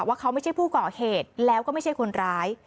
ว่าเขาไม่ใช่ผู้ก่อเหตุแล้วก็ไม่ใช่คนร้าย